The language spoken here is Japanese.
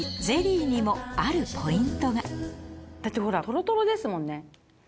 さらにだってほらトロトロですもんね。